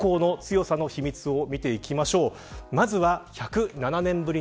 そんな中で、両校の強さの秘密を見ていきましょう。